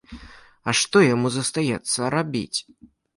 А што яму застаецца рабіць?